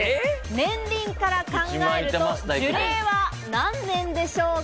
年輪から考えると、樹齢は何年でしょうか？